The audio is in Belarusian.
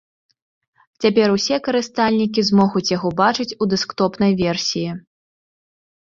Цяпер усе карыстальнікі змогуць яго бачыць у дэсктопнай версіі.